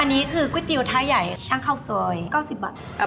อันนี้คือก๋วยเตี๋ยวท้าใหญ่ช่างข้าวซอย๙๐บาท